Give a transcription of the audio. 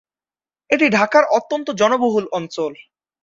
এটি ঢাকার অত্যন্ত জনবহুল অঞ্চল।